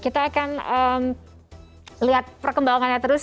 kita akan lihat perkembangannya terus